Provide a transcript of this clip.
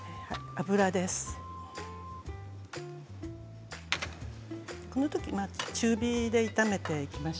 油です。